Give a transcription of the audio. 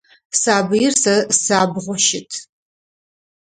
Сабыир сэ сабгъу щыт.